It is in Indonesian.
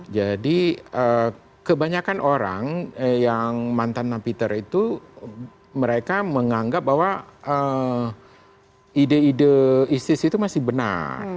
jadi kebanyakan orang yang mantan nampiter itu mereka menganggap bahwa ide ide istis itu masih benar